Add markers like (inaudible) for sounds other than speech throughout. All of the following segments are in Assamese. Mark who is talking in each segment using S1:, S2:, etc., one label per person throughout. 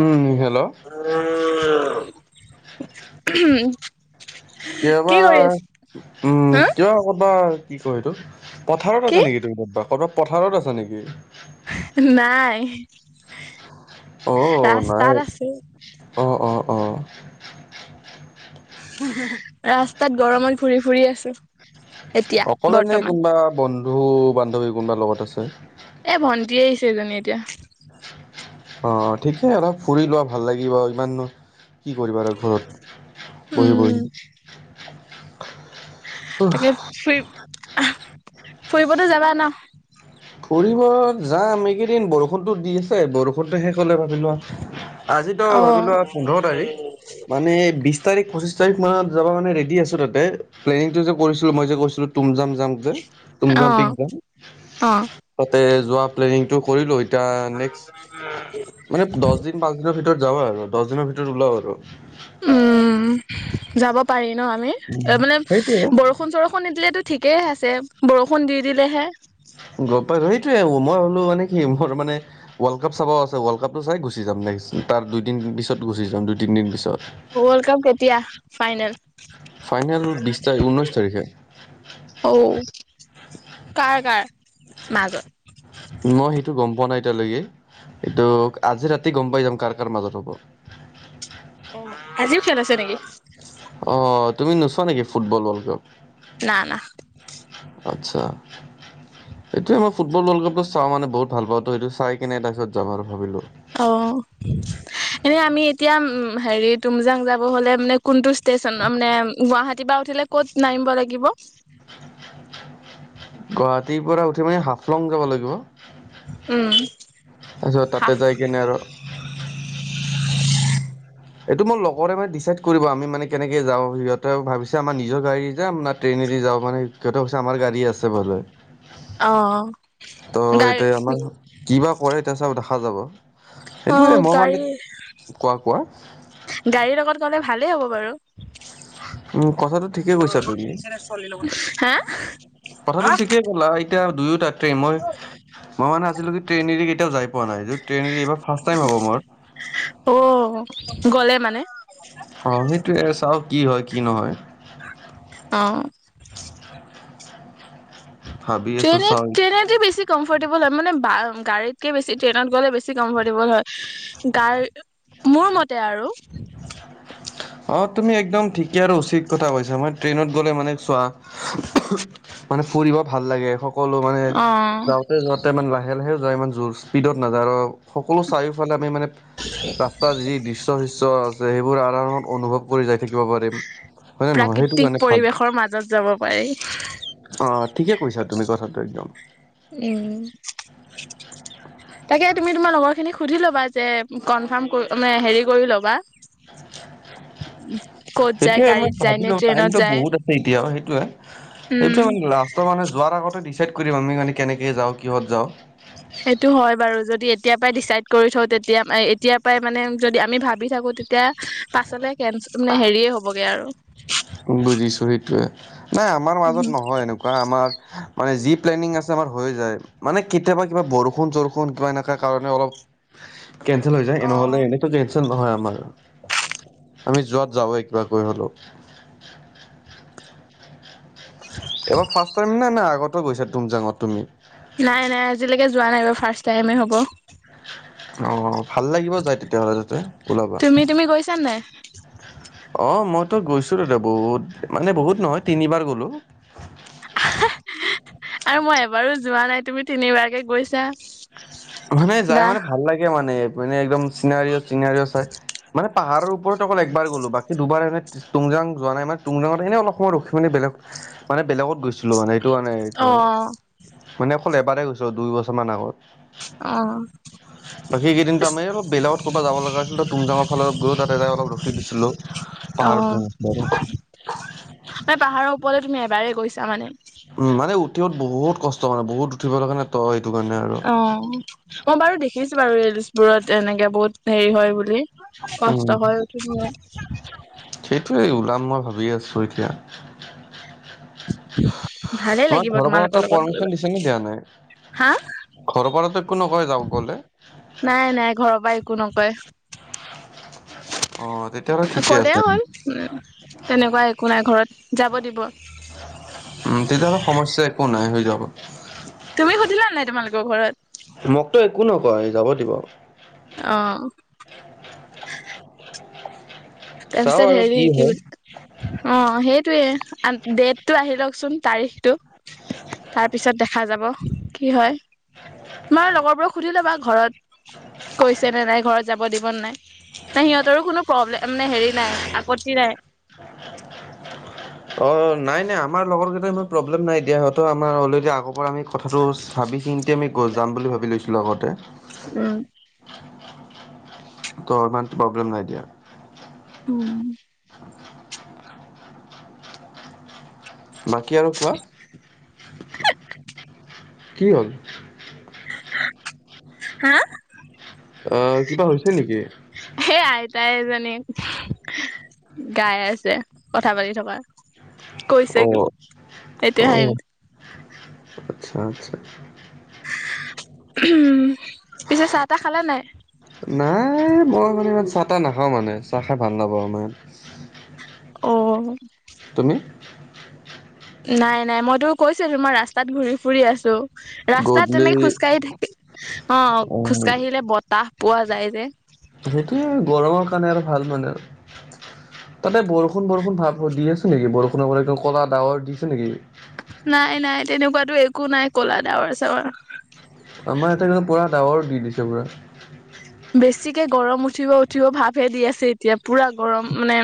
S1: উম হেল্ল'
S2: উ
S1: কিয়
S2: কি
S1: বা
S2: কৰি আছ
S1: উম
S2: হা
S1: কিয় কৰবা কি কয় এইটো পথাৰত আছে
S2: কি
S1: নেকি ত কৰবাত পথাৰত আছা নেকি?
S2: নাই
S1: অ নাই
S2: ৰাস্তাত আছো
S1: অ অ অ
S2: হে হে হে ৰাস্তাত গৰমত ঘুৰি ফুৰি আছো এতিয়া
S1: অকলে নে
S2: বৰ্তমান
S1: কোনোবা বন্ধু বান্ধৱী কোনোবা লগত আছে
S2: এ ভণ্টিয়ে আহিছে এইজনী এতিয়া।
S1: (unintelligible) অ ঠিকে অলপ ফুৰি লোৱা ভাল লাগিব ইমাননো কি কৰিবা আৰু ঘৰত বহি
S2: উম
S1: বহি।
S2: তাকে ফুৰি আহ ফুৰিবটো যাবা ন?
S1: ফুৰিব যাম। এইকেইদিন বৰষুণটো দি আছে বৰষুণটো শেষ হ'লে ভাবি লোৱা। আজি
S2: অ
S1: ত' ভাবি লোৱা পোন্ধৰ তাৰিখ মানে বিছ তাৰিখ পঁচিশ তাৰিখ মানত যাবা কাৰণে ৰেদি আছোঁ তাতে প্লেনিংটো যে কৰিছিলোঁ মই যে কৈছিলো টোমজাং যাম যে। তুমজাম
S2: অহ
S1: পিক যাম
S2: অঁ।
S1: তাতে যোৱা প্লেনিংটো কৰিলোঁ এতিয়া নেক্সট মানে দছ দিন পাঁচ দিনৰ ভিতৰত যাবা আৰু দছ দিনৰ ভিতৰত ওলাওঁ আৰু।
S2: উম যাব পাৰি ন আমি? এ মানে
S1: সেইটোৱে
S2: বৰ বৰষুণ চৰষুণ নিদিলেতো ঠিকেইে আছে বৰষুণ দি দিলেহে
S1: গ পাই সেইটোৱে মই হ'লো মানে কি মোৰ মানে ৱৰ্ল্ড কাপ চাব আ ৱৰ্ল্ডাপটো চাই গুচি যাম নেক্স তাৰ দুইদিন পিছত গুচি যাম দুই তিন দিন পছত
S2: ৱৰ্ল্ড কাপ কেতিয়া ফাইনেল
S1: ফাইনেল বিশ তাৰিখ ঊনৈছ তাৰিখে
S2: অঁ কাৰ কাৰ মাজত
S1: মই সেইটো গম পোৱা নাই এতিয়ালৈকে এইটো আজি ৰাতি গম পাই যাম কাৰ কাৰ মাজত হ'ব
S2: অ আজিও খেল আছে নেকি
S1: অ তুমি নোচোৱা নেকি ফুটবল ৱৰ্ল্ড কাপ
S2: না না
S1: আচ্ছা। এইটোয়ে মই ফুটবল ৱৰ্ল্ডকাপটো চওঁ মানে বহুত ভাল পাওঁ ত হেটো চাই কেনে এ তাৰ পিছত যাম আৰু ভাবিলো।
S2: অ এনে আমি এতিয়া উম হেৰি তুমজাং যাব হলে মানে কোনটো ষ্টে ষ্টেচন মানে গুৱাহাটীৰ পৰা উঠিলে ক'ত নামিব লাগিব।
S1: গুৱাহাটীৰ পৰা উঠি মানে হাফলং যাব লাগিব।
S2: উম
S1: তাৰপিছত তাতে যাই কিনে আৰু
S2: (unintelligible)
S1: এইটো মোৰ লগৰে মানে ডিচাইড কৰিব আমি মানে কেনেকে যাওঁ সিহঁতে ভাবিছে আমাৰ নিজৰ গাড়ীত যাম না ট্ৰেইনেদি যাওঁ মানে সিহঁতে ক হৈছে আমাৰ গাড়ী আছে ভালে,
S2: অ
S1: ত'
S2: গাড়ী
S1: এতিয়া আমাৰ কি বা কৰে এতিয়া চাওঁ দেখা যাব।
S2: অ
S1: সেইটোৱে মই মানে
S2: গাড়ী
S1: কোৱা কোৱা,
S2: গাড়ীৰ লগত গ'লে ভালেই হ'ব বাৰু।
S1: উম কথাটো ঠিকে কৈছা তুমি
S2: হা
S1: কথাটো ঠিকে, কলা এতিয়া দুয়োটা ট্ৰেইন মই মই মানে আছিলো কি ট্ৰেইন এৰি কেতিয়াও যাই পোৱা নাই য ট্ৰেইন এৰি এইবাৰ, ফাৰ্ষ্ট টাইম হব মোৰ,
S2: অ গ'লে মানে,
S1: অ সেইটোয়ে চাও কি হয় কি নহয়।
S2: অ
S1: ভাবি আছো
S2: ট্ৰেইনে
S1: চাওঁ।
S2: ট্ৰেইনে দি বেছি কমফৰ্টেবল হয় মানে বা গাড়ীতকে বেছি ট্ৰেইনত গ'লে বেছি কমফৰ্টেবল হয় গাৰী মোৰ মতে আৰু
S1: অ তুমি একদম ঠিকে আৰু উচিত কথা কৈছা মই ট্ৰেইনত গ'লে মানে চোৱা উমহ, মানে ফুৰিব ভাল লাগে সকলো মানে
S2: অ
S1: যাওঁতে ই মানে লাহে লাহে যায় ইমান জোৰ স্পীডত নাযায় আৰু সকলো চাৰিওফালে আমি মানে
S2: (unintelligible)
S1: ৰাস্তাৰ যি দৃশ্য শৃশ্য আছে সেইবোৰ আৰামত অনুভৱ কৰি যাই থাকিব পাৰিম। হয় নে নহয় সেইটো
S2: প্ৰাকৃতিক
S1: কাৰণে ভাল।
S2: পৰিৱেশৰ মাজত যাব পাৰি।
S1: অ ঠিকে কৈছা তুমি কথাটো একদম।
S2: উম।
S1: (inaudible)
S2: তাকে তুমি তোমাৰ লগৰ খিনিক সুধি ল'বা যে কনফাৰ্ম কৰি মে হেৰি কৰি ল'বা। ক'ত
S1: (inaudible)
S2: যায়
S1: সেইটোয়ে মই
S2: গাড়ীত যায় নে
S1: ভাবিলো
S2: ট্ৰেইনত
S1: টাইমটো
S2: যায়
S1: বহুত আছে এতিয়া সেইটোয়ে সেইটো
S2: উম
S1: মানে লাষ্ট। ত মানে যোৱাৰ আগতে ডিচাইড কৰিম আমি মানে কেনেকৈ যাওঁ কিহত যাওঁ।
S2: সেইটো হয় বাৰু যদি এতিয়াৰ পৰাই ডিচাইড কৰি থওঁ তেতিয়া এতিয়া পৰাই মানে যদি আমি ভাবি থাকো তেতিয়া পাছলে কে মানে হেৰিয়ে হ'বগে আৰু।
S1: বুজিছো সেইটোয়ে নাই আমাৰ মাজত নহয় এনেকু- কুৱা আমাৰ মানে যি প্লেনিং আছে আমাৰ হৈ যায়। মানে কেতিয়াবা কিবা বৰষুণ চৰষুণ কিবা এনেকুৱা কাৰণে অলপ কেঞ্চেল হৈ যায় এনেহলে এনেটো জেনচেন নহয় আমাৰ। আমি যোৱাত যাওঁ কিবা কৰি হ'লেও। এবাৰ ফাৰ্ষ্ট টাইম নে নাই আগতে গৈছা তুমজাঙত তুমি?
S2: নাই নাই আজিলৈকে যোৱা নাই বাৰু ফাৰ্ষ্ট টাইমে হ'ব।
S1: অ ভাল লাগিব যায় তেতিয়াহ'লে তাতে। ওলাবা
S2: তুমি তুমি গৈছা নাই?
S1: অ মইতো গৈছো তাতে বহুত মানে বহুত নহয় তিনিবাৰ গলোঁ।
S2: আৰু মই এবাৰো যোৱা নাই তুমি তিনিবাৰকে গৈছা।
S1: মানে যাই
S2: বাহ
S1: মানে ভাল লাগে মানে মানে একদম চিনাৰি চিনাৰিও চাই। মানে পাহাৰৰ ওপৰত অকল একবাৰ গলো বাকী দুবাৰ এনে তুংজাং যোৱা নাই মে তুংজাংত এনে অলপ সময় ৰখি মেলি বেলেগ মানে বেলেগত গৈছ- ছিলো মানে এইটো আৰ,
S2: অ
S1: মানে অকল এবাৰেই গৈছো দুই বছৰমান আগত।
S2: অ।
S1: (inaudible) বাকীকেইদিনটো আমি অলপ বেলেগত ক'ৰবাত যাব লগা আছিল ত তুংজাংত ফালত গও তাতেই অলপ ৰখি দিছিলোঁ।
S2: অ
S1: পাহাৰত ড বৰ-
S2: মানে পাহাৰৰ ওপৰলে তুমি এবাৰে গৈছা মানে।
S1: উম মানে উঠিওত বহুত কষ্ট মানে বহুত উঠিবৰ কাৰণে ত এইটো কাৰণে। আৰু।
S2: অ মই বাৰু দেখিছো বাৰু ৰিলচবোৰত এনেকে বহুত হেৰি হয় বুলি।
S1: উম,
S2: কষ্ট হৈ উঠি বই।
S1: সেইটোৱে ওলাম মই ভাবি আছো এতিয়া।
S2: ভালে
S1: তোমাক
S2: লাগিব
S1: ঘৰৰ
S2: তোমালোকৰ
S1: পৰা
S2: লগত গৈ
S1: পাৰ্মিশন দিছে নে দিয়া নাই?
S2: হা
S1: ঘৰৰ পৰাত একো নকয় যাওঁ গ'লে?
S2: নাই নাই ঘৰৰ পৰা একো নকয়।
S1: অ তেত-
S2: ক'লে হ'ল উ তেনেকুৱা একো নাই ঘৰত যাব দিব।
S1: উম তেতিয়াহ'লে সমস্যাই একো নাই হৈ যাব।
S2: তুমি সুধিলা নাই তোমালোকৰ ঘৰত?
S1: মোক তো একো নকয় যাব দিব।
S2: অ। তাৰ
S1: চাওঁ
S2: পিছৰত
S1: আৰু
S2: হেৰি কি
S1: হয়।
S2: অ সেইটোৱে আন ডেটটো আহি লওকচোন তাৰিখটো। তাৰ পিছত দেখা যাব। কি হয় তোমাৰ লগৰবোৰক সুধি লবা ঘৰত কৈছেনে নাই ঘৰত যাব দিব ন নাই? ন সিহঁতৰো কোনো প্ৰব্লেম মানে হেৰি নাই আপত্তি নাই।
S1: (inaudible)
S2: (inaudible)
S1: অ নাই নাই আমাৰ লগৰ কেইটা ইমান প্ৰব্লেম নাই দিয়া সিহঁতৰ আমাৰ অলৰেদি আগৰ পৰা আমি কথাটো চাবিছিংতে আমি গৈ যাম বুলি ভাবি লৈছিলোঁ আগতে
S2: উম।
S1: ত' ইমান প্ৰব্লেম নাই দিয়া।
S2: উম।
S1: বাকী আৰু কোৱা? কি হ'ল?
S2: হা?
S1: অ কিবা হৈছে নেকি?
S2: সেই আইতাই এজনি। গাই আছে কথা পাতি থকা। কৈছে কি
S1: অহ
S2: এতিয়া
S1: অহ
S2: হাঁহি উঠিছে।
S1: আচ্ছা আচ্ছা।
S2: উমহ, পিছে চাহ তাহ খালে নাই?
S1: নাই মই মানে ইমান চাহ তাহ নাখাওঁ মানে চাহ খাই ভাল নাপাওঁ ইমান।
S2: অঁ।
S1: তুমি?
S2: নাই নাই মইটো কৈছোঁৱে তোমাৰ ৰাস্তাত ঘূৰি ফুৰি আছোঁ। ৰাস্তাত
S1: গধূলি
S2: তেনেকে খোজকাঢ়ি থাকে অ খোজকাঢ়িলে বতাহ পোৱা যায় যে।
S1: সেইটোৱে আৰু গৰমৰ কাৰণে আৰু ভাল মানে আৰু। তাতে বৰষুণ বৰষুণ ভাৱ দি আছে নেকি? বৰষুণৰ পৰা একদম কলা ডাৱৰ দিছে নেকি?
S2: নাই নাই তেনেকুৱাটো একো নাই কলা ডাৱৰ চাৱৰ।
S1: আমাৰ ইয়াতে পুৰা ডাৱৰ দি দিছে পুৰা।
S2: বেছিকে গৰম উঠিব উঠিব ভাৱহে দি আছে এতিয়া পুৰা গৰম মানে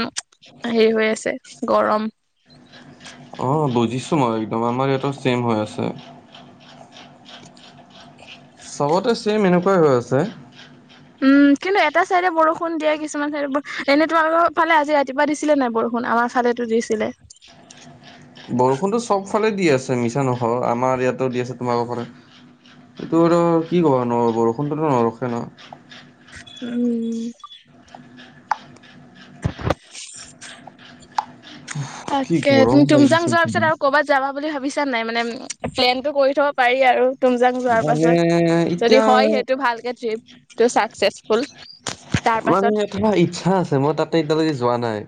S2: সেই হৈ আছে গৰম।
S1: অ বুজিছো মই দুমাহ মান ইয়াটো ছেম হৈ আছে।
S2: (unintelligible)
S1: চবতে ছেম এনেকুৱাই হৈ আছে।
S2: উম কিন্তু এটা চাইডে বৰষুণ দিয়ে কিছুমান চাইডে, এনে তোমালোকৰ ফালে আজি ৰাতিপুৱা দিছিলে নাই বৰষুণ? আমাৰ ফালেটো দিছিলে।
S1: (unintelligible) বৰষুণটো চবফালে দি আছে মিছা নকওঁ। আমাৰ ইয়াতো দি আছে তোমালোকৰ ফালে এইটো আৰু কি ক'বা ন বৰষুণটোতো নৰখে ন?
S2: উম।
S1: (unintelligible)
S2: তাকে তুমি
S1: গৰম
S2: টোমজাং
S1: লাগিছে
S2: যোৱাৰ পিছত আৰু ক'ৰবাত যাবা বুলি ভাবিছা নাই? মানে প্লেনটো কৰি থব পাৰি আৰু। টোমজাং যোৱাৰ
S1: মানে
S2: পাছত যদি
S1: এতিয়া
S2: হয় সেইটো ভালকে ট্ৰিপটো চাকছেচফুল। তাৰ
S1: মানে ধৰা ইচ্ছা আছে মই তাতে এতিয়ালৈকে যোৱা নাই।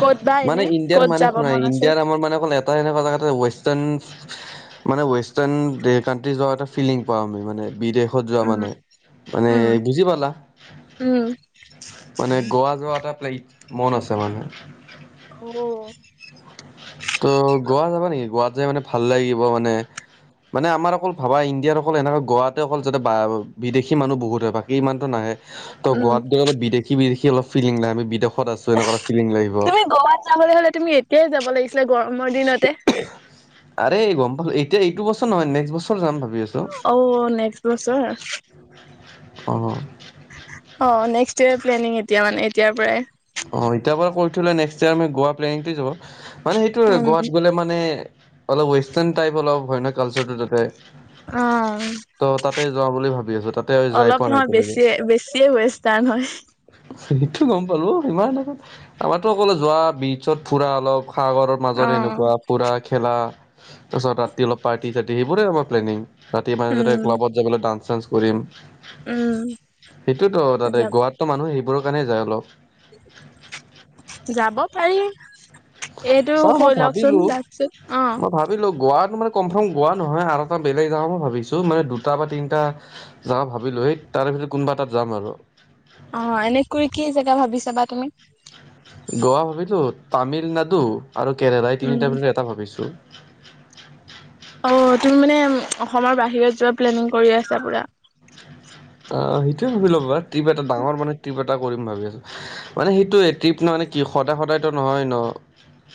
S2: ক'ত বা
S1: মানে
S2: এনে
S1: ইণ্ডিয়াৰ
S2: ক'ত
S1: মানে
S2: যাব
S1: শুনা
S2: মন আছে?
S1: ইণ্ডিয়াৰ আমাৰ মানে অকল এটা এনেকুৱা জেগা ৱেষ্টাৰ্ণ মানে ৱেষ্টাৰ্ণ দে কাণ্ট্ৰি যোৱাও এটা ফিলিং পাওঁ আমি মানে বিদেশ শত যোৱা
S2: উম,
S1: মানে মানে
S2: উম,
S1: বুজি পালা?
S2: উম।
S1: মানে গৱা যোৱা এটা প্লেন মন আছে মানে।
S2: অঁ।
S1: ত' গোৱাত যাবা নেকি? গোৱাত যাই মানে ভাল লাগিব মানে। মানে আমাৰ অকল ভাবা ইণ্ডিয়াৰ অকল এনেকা গোৱাতে অকল যাতে বা বিদেশী মানুহ বহুত হয় বাকী ইমানটো নাহে। ত'
S2: উম,
S1: গোৱাত গৈ অলপ বিদেশী বিদেশী অলপ ফিলিং লাগে আমি বিদেশত আছোঁ এনেকুৱা এটা ফিলিং লাগিব।
S2: তুমি গোৱাত যাবলৈ হ'লে তুমি এতিয়াই যাব লাগিছিলে গৰমৰ দিনতে।
S1: আৰে গম পালোঁ। এতিয়া এইটো বছৰ নহয় নেক্সট বছৰ যাম ভাবি আছোঁ।
S2: অ' নেক্সট বছৰ
S1: অঁ।
S2: অ নেক্সট ইয়েৰ প্লেনিং এতিয়া মানে এতিয়া পৰাই।
S1: অ এতিয়া পৰা কৈ থ'লে নেক্সট ইয়াৰ আমি গোৱা প্লেনিংটো যাব। মানে সেইটো
S2: উম
S1: গোৱাত গ'লে মানে অলপ ৱেষ্টাৰ্ণ টাইপ অলপ হয় কালচাৰটো তাতে।
S2: অ।
S1: ত তাতে যাওঁ বুলি ভাবি আছো তাতে যাই
S2: অলপ
S1: পোৱা নাই
S2: নহয়
S1: এতিয়ালৈকে
S2: বেছিয়ে বেছিয়ে ৱেষ্টাৰ্ণ হয়।
S1: সেইটো গম পালোঁ। ইমান আকত অকলে যোৱা বিচত ফুৰা অলপ সাগৰৰ মাজত সেনেকুৱা। পুৰা খেলা তাছত ৰাতি অলপ পাৰ্টি চাৰ্টি সেইবোৰে হ'ব প্লেনিং। ৰাতি মাজতে
S2: উম
S1: ক্লাবত যাবলে ডান্স চান্স কৰিম। সেইটোত তাতে
S2: যা যাব
S1: গোৱাতো মানুহ সেইবোৰৰ কাৰণে যায় অলপ।
S2: যাব পাৰি। এইটো
S1: চাও মই
S2: হৈ লওকচোন
S1: ভাবিলো
S2: দাকচত অ।
S1: মই ভাবিলো গোৱা মানে কনফাৰ্ম গোৱা নহয় আৰু এটা বেলেগ জেগা মই ভাবিছো মানে দুটা বা তিনটা জাগা ভাবিলো এইট তাৰে ভিতৰত কোনোবা এটাত যাম আৰু।
S2: অ এনেকৈ কি জেগা ভাবিছাবা তুমি?
S1: গোৱা ভাবিথোত তামিলনাডু আৰু কেৰেলা এই
S2: উম
S1: তিনিটাৰে ভিতৰত এটা ভাবিছো।
S2: অ তুমি মানে অসমৰ বাহিৰত যোৱা প্লেনিং কৰি আছা পুৰা।
S1: অ সেইটোৱে ভাবি ল'বা ট্টিপ এটা ডাঙৰ মানে ট্টিপ এট- টা কৰিম ভাবি আছো মানে সেইটো ট্টিপ ন মানে কি সদায় সদায় ত নহয় ন।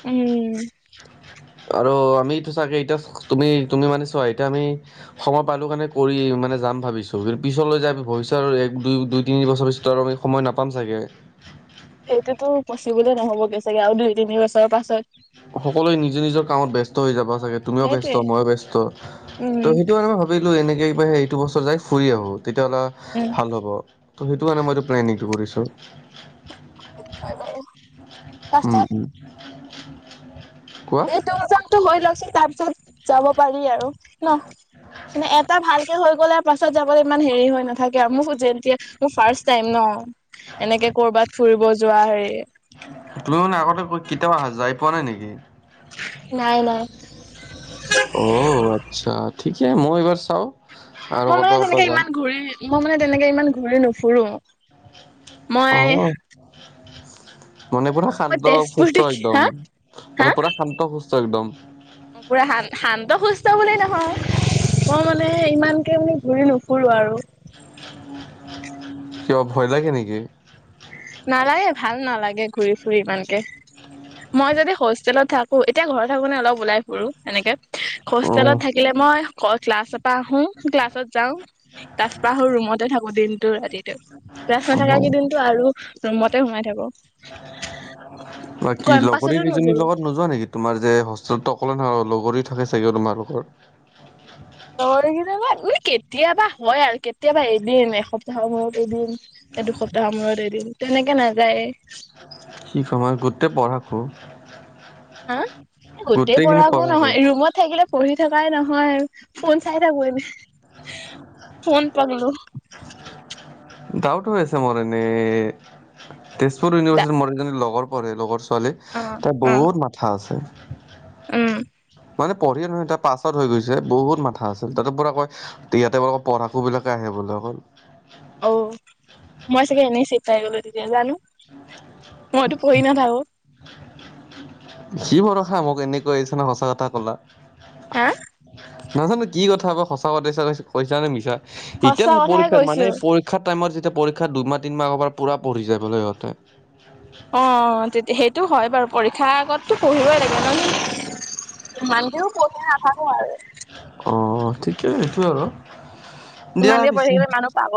S2: উম।
S1: আৰু আমিটো চাগে এতিয়া তুমি তুমি মানে চোৱা এতিয়া আমি সময় পালো কাৰণে কৰি মানে যাম ভাবিছো কি- পিছলৈ যায় ভৱিষ্যত আৰু এক দুই দুই তিনি বছৰ পিছত আৰু আমি সময় নাপাম চাগে।
S2: সেইটোতো পচিবোলে নহবগে চাগে আৰু দুই তিনি বছৰৰ পাছত।
S1: সকলোৱে নিজৰ নিজৰ কামত ব্যস্ত হৈ যাব
S2: অ
S1: চাগে তুমিও
S2: সেইটোৱে
S1: ব্যস্ত ময়ো ব্যস্ত।
S2: উম
S1: ত সেইটো কাৰনে মই ভাবিলো এনেকে কিবা সেইটো বছৰ যাই ফুৰি আহো। তেতিয়াহ'ল
S2: উম
S1: ভাল হ'ব ত সেইটো কাৰণে মই এটো প্লেনিংটো কৰিছোঁ।
S2: হয় বাৰু। পাছত
S1: উম উম। কো-
S2: উঠ বছৰটো হৈ ল চোন তাৰ পিছত যাব পাৰি আৰু। নহ? মানে এটা ভালকে হৈ গ'লে আৰু পাছত যাবলে ইমান হেৰি হৈ নাথাকে আৰু মোহু যেন। এতিয়া মো ফাৰ্ষ্ট টাইম ন? এনেকে কৰবাত ফুৰিব যোৱা হেৰি।
S1: তুমি মানে আগতে কেতিয়াও আহা যাই পোৱা নাই নেকি?
S2: নাই নাই।
S1: অ আচ্ছা ঠিকে মই এইবাৰ চাও।
S2: মই মানে তেনেকে ইমান ঘূৰি মই মানে তেনেকে ইমান ঘূৰি নুফুৰো। মই
S1: অহ। মানে
S2: ক'বলৈ
S1: পুৰা
S2: গ'লে মই
S1: শান্ত
S2: তেজপুৰ
S1: সুস্থ
S2: দেখি হা
S1: একদম,
S2: হা
S1: মানে পুৰা শান্ত সুস্থ একদম।
S2: পুৰা শান শান্ত সুস্থ বুলি নহয়। মই মানে ইমানকে মানে ঘূৰি নুফুৰো আৰু।
S1: কিয় ভয় লাগে নেকি?
S2: নালাগে ভাল নালাগে ঘূৰি ফুৰি ইমানকে। মই যদি হোষ্টেলত থাকো, এতিয়া ঘৰত থাকো নে অলপ ওলাই ফুৰো এনেকে।
S1: অ
S2: হোষ্টেলত থাকিলে মই ক্ল ক্লাছৰ পৰা আহো, ক্লাছত যাওঁ। ক্লাছ পা আহো ৰুমতে থাকো দিনটো ৰাতিটো। ক্লাছ নাথাকা
S1: অ
S2: কে দিন আৰু ৰুমতে সোমাই থাকো।
S1: বাকী লগৰী
S2: কেম্পাছতো
S1: কেইজনীৰ
S2: নুঘুৰো
S1: লগত নোয- যোৱা নেকি? তোমাৰ যে হোষ্টেল ত অকলে থাক লগৰী থাকে চাগে তোমাৰ লগৰ?
S2: লগৰীকেইটাবাত মানে কেতিয়াবা হয় আৰু কেতিয়াবা এদিন এসপ্তাহৰ মূৰত এদিন। এ দুসপ্তাহৰ মূৰত এদিন তেনেকে নাযায়ে।
S1: কি সময় গোটেই পঢ়াকো।
S2: হা গোটেই পঢ়াকো নহয়। ৰুমত থাকিলে পঢ়ি থকাই নহয়। ফোন চাই থাকো এনে। ফোন পাগলো।
S1: ডাউত হৈ আছে মোৰ এনেই। তেজপুৰ
S2: দা
S1: ইউনিভাৰ্ছিটি মোৰ এজনী লগৰ পঢ়ে লগৰ ছোৱালী।
S2: অ
S1: তাইৰ
S2: অ
S1: বহুত মাথা আছে।
S2: উম।
S1: মানে পঢ়িয়ে নহয় এতিয়া পাছ আউট হৈ গৈছে বহুত মাথা আছিল তাতো পৰা কয় ইয়াতে তোমালোকৰ পঢ়াকোঁ বিলাকে আহে বোলে অকল
S2: অ মই চাগে এনেই চিটা পাই গলো তেতিয়া জানো মইতো পঢ়ি নাথাকো
S1: সি ভৰসা মোক এনে কৈ আছা সঁচা কথা কলা
S2: হা
S1: নাজানো কি কথা বা সঁচা কথা কৈছা নে মিছা এতিয়া
S2: সঁচা
S1: নহয়
S2: কথাই
S1: পৰীক্ষাত মানে
S2: কৈছো
S1: পৰী ক্ষা টাইমৰ যেতিয়া পৰীক্ষা দুমাহ তিমাহ আগৰ পৰা পুৰা পঢ়িছে বোলে সিহঁতে।
S2: অ তেতি সেইটো হয় বাৰু পৰীক্ষা আগততো পঢ়িবই লাগে ন। ইমান কেও পঢ়ি নাথাকোঁ আৰু।
S1: অ ঠিকেই সেইটোৱে আৰু। দিয়া
S2: ইমানকে পঢ়ি
S1: পিছে।
S2: থাকিলে মানুহ পাগল